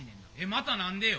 また何でよ？